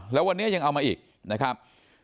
แล้ววันนี้ยังเอามาอีกนะครับ